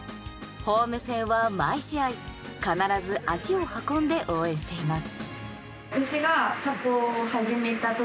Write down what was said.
ホーム戦は毎試合必ず足を運んで応援しています。